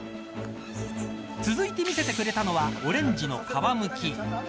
続いて見せてくれたのはオレンジの皮むき。